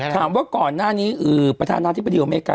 ก่อนหน้านี้ประธานาธิบดีของอเมริกา